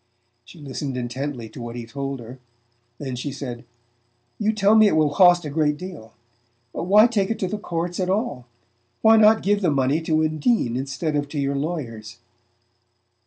She listened intently to what he told her; then she said: "You tell me it will cost a great deal; but why take it to the courts at all? Why not give the money to Undine instead of to your lawyers?"